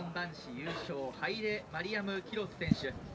マラソン男子優勝ハイレマリアム・キロス選手。